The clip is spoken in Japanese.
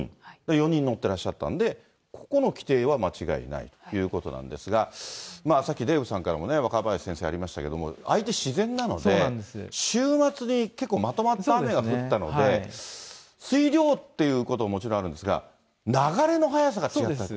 ４人乗ってらっしゃったんで、ここの規定は間違いないということなんですが、さっきデーブさんからもね、若林先生、ありましたけども、相手自然なので、週末に結構、まとまった雨が降ったので、水量っていうことももちろんあるんですが、流れの速さが違ったと。